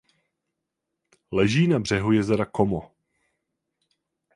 Leží na břehu jezera Como.